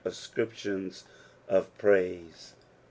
oscrtptions qf praise.